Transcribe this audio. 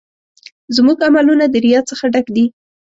زموږ عملونه د ریا څخه ډک دي.